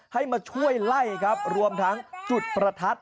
ให้มาช่วยไล่ครับรวมทั้งจุดประทัด